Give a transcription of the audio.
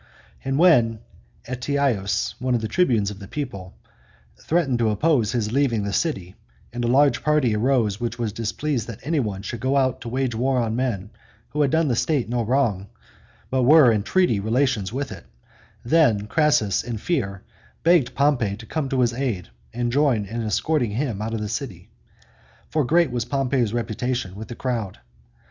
And when Ateius, one of the tribunes of the people, threatened to oppose his leaving the city, and a large party arose which was displeased that anyone should go out to wage war on men who had done the state no wrong, but were in treaty relations with it, then Crassus, in fear, begged Pompey to come to his aid and join in escorting him out of the city. For great was Pompey's reputation with the crowd.